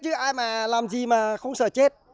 chứ ai mà làm gì mà không sợ chết